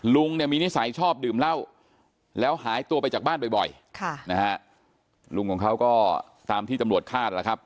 ลุงเนี่ยมีนิสัยชอบดื่มเหล้าแล้วหายตัวไปจากบ้านบ่อยค่ะนะฮะลุงของเขาก็ตามที่ตำรวจคาดแล้วครับ